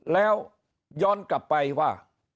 แล้วย้อนกลับไปว่า